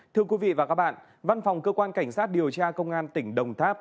thưa quý vị và các bạn văn phòng cơ quan cảnh sát điều tra công an tỉnh đồng tháp